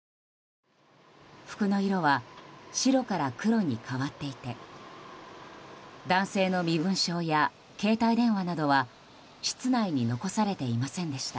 服の色は白から黒に変わっていて男性の身分証や携帯電話などは室内に残されていませんでした。